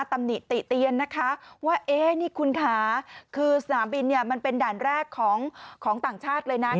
ตำหนิติเตียนนะคะว่าเอ๊ะนี่คุณค่ะคือสนามบินเนี่ยมันเป็นด่านแรกของต่างชาติเลยนะ